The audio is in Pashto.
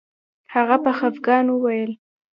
هغه په خفګان وویل